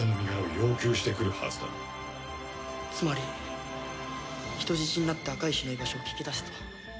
つまり人質になって赤石の居場所を聞き出せと？